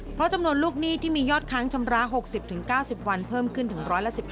เพราะจำนวนลูกหนี้ที่มียอดค้างชำระ๖๐๙๐วันเพิ่มขึ้นถึง๑๑๕